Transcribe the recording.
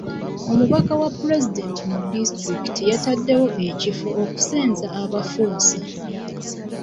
Omubaka wa pulezidenti mu disitulikiti yataddewo ekifo okusenza abafuusa.